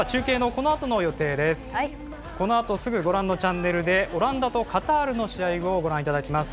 このあとすぐご覧のチャンネルでオランダとカタールの試合をご覧いただけます。